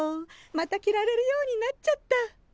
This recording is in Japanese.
また着られるようになっちゃった！